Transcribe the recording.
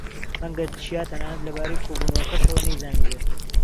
ڕەنگە چیا تەنانەت لەبارەی کۆبوونەوەکەشەوە نەیزانیبێت.